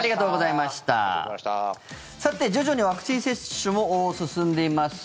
さて、徐々にワクチン接種も進んでいます。